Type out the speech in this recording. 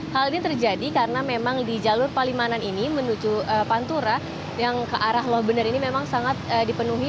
hal ini terjadi karena memang di jalur palimanan ini menuju pantura yang ke arah loh bener ini memang sangat dipenuhi